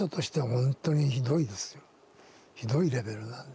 ひどいレベルなんで。